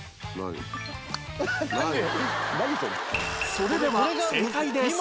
それでは正解です